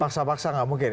paksa paksa gak mungkin ya